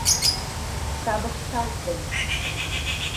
Савыкталтдыме